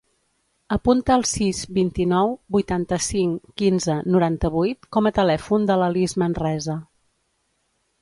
Apunta el sis, vint-i-nou, vuitanta-cinc, quinze, noranta-vuit com a telèfon de la Lis Manresa.